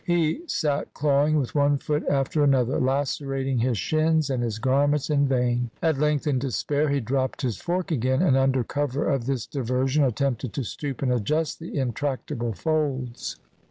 He sat clawing with one foot after another, lacerating his shins and his garments in vain. At length in despair he dropped his fork again, and under cover of this diversion attempted to stoop and adjust the intractable folds.